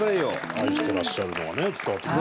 愛してらっしゃるのがね伝わってきますね。